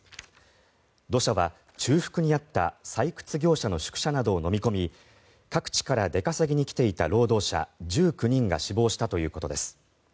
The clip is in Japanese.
土砂は、中腹にあった採掘業者の宿舎などをのみ込み各地から出稼ぎに来ていた労働者１９人が死亡したということです。